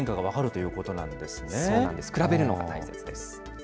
そうなんです、比べるのが大切です。